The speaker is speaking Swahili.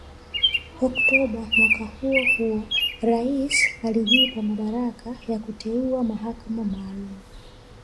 Oktoba mwaka huo huo rais alijipa madaraka ya kuteua mahakama maalumu